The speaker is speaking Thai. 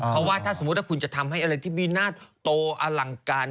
เพราะว่าถ้าสมมุติว่าคุณจะทำให้อะไรที่มีนาศโตอลังการ